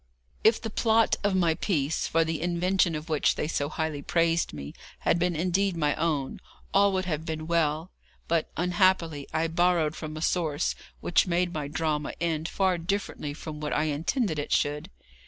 If the plot of my piece, for the invention of which they so highly praised me, had been indeed my own, all would have been well; but unhappily I borrowed from a source which made my drama end far differently from what I intended it should.